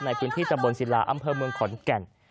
ในพื้นที่ตำบลศิลาอำเภอเมืองขอนแก่น